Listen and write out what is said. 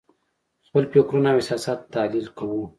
خپل فکرونه او احساسات تحلیل کوو.